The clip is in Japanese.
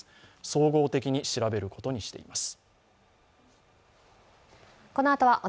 総合的に調べることにしています。